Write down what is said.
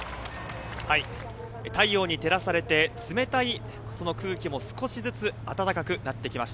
太陽に照らされて、冷たい空気も少しずつ暖かくなってきました。